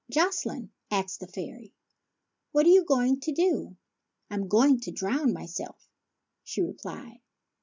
" Jocelyne," asked the fairy, "what are you going to do? "" I'm going to drown myself," she replied.